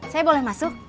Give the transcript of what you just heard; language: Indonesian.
saya boleh masuk